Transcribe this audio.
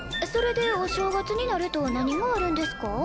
それでお正月になると何があるんですか？